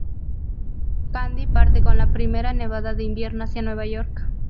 Candy parte con la primera nevada de invierno hacia Nueva York.